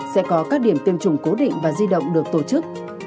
sẽ có các điểm tiêm chủng cố định và di động được tổ chức